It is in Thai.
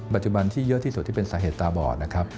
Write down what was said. ปัจจุบันที่เยอะที่สุดที่เป็นสาเหตุตาบอดนะครับ